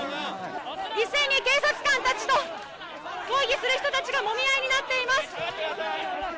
一斉に警察官たちと、抗議する人たちがもみ合いになっています。